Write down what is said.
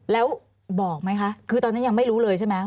แล้วบอกไหมคะคือตอนนั้นยังไม่รู้เลยใช่ไหม